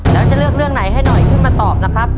แล้วจะเลือกเรื่องไหนให้หน่อยขึ้นมาตอบนะครับ